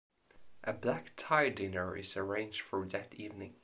A black tie dinner is arranged for that evening.